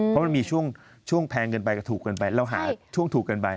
เพราะมันมีช่วงแพงเกินไปก็ถูกเกินไปแล้วหาช่วงถูกเกินไป